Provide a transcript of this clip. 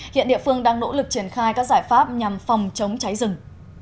hiện địa phương đang nỗ lực triển khai các giải pháp nhằm phòng chống cháy rừng